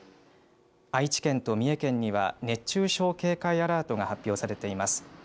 愛知県と三重県には熱中症警戒アラートが発表されています。